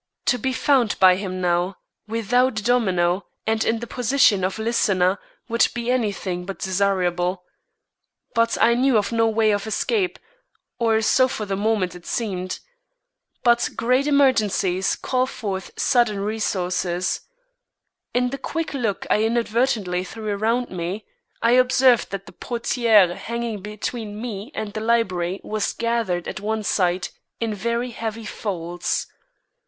To be found by him now, without a domino, and in the position of listener, would be any thing but desirable. But I knew of no way of escape, or so for the moment it seemed. But great emergencies call forth sudden resources. In the quick look I inadvertently threw around me, I observed that the portière hanging between me and the library was gathered at one side in very heavy folds.